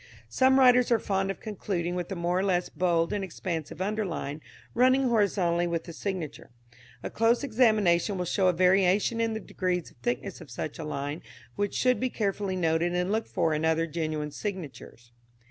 Some writers are fond of concluding with a more or less bold and expansive underline running horizontally with the signature. A close examination will show a variation in the degrees of thickness of such a line, which should be carefully noted and looked for in other genuine signatures.